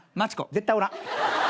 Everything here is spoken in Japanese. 絶対おらん。